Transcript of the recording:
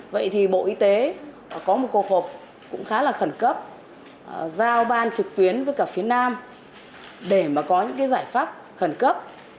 vậy thì bộ y tế có một cuộc họp cũng khá là khẩn cấp giao ban trực tuyến với cả phía nam để mà có những cái giải pháp khẩn cấp